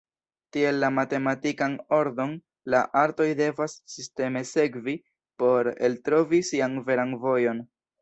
Tiel la matematikan ordon la artoj devas sisteme sekvi por eltrovi sian veran vojon.